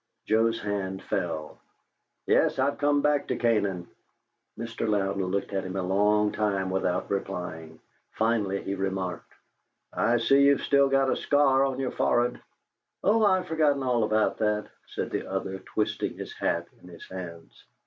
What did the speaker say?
Joe's hand fell. "Yes, I've come back to Canaan." Mr. Louden looked at him a long time without replying; finally he remarked: "I see you've still got a scar on your forehead." "Oh, I've forgotten all about that," said the other, twisting his hat in his hands.